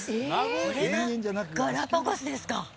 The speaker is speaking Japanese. これがガラパゴスですか